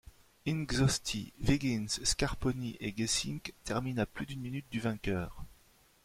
Intxausti, Wiggins, Scarponi et Gesink terminent à plus d'une minute du vainqueur.